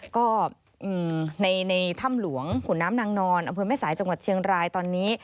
ก็ในถ้ำหลวงขุนน้ำนางนอนอำเภอแม่สายจังหวัดเชียงรายตอนนี้